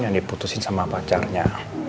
yang diputusin sama pacarnya